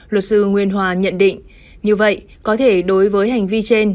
luật sư nguyên hòa nhận định như vậy có thể đối với hành vi trên